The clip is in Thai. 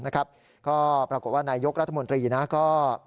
ก็ปรากฏว่านายยกรัฐมนตรีก็